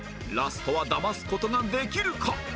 ラストはだます事ができるか？